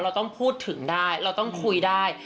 เราต้องพูดถึงได้เราต้องคุยได้